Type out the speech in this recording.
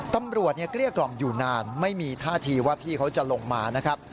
ตำรวจเกลี้ยกล่อมอยู่นานไม่มีท่าทีว่าพี่เขาจะลงมานะครับ